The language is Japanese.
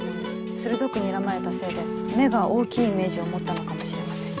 鋭くにらまれたせいで目が大きいイメージを持ったのかもしれません。